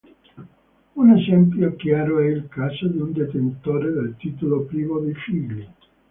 Un esempio chiaro è il caso di un detentore del titolo privo di figli.